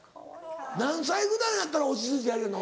何歳ぐらいになったら落ち着いてやれるの？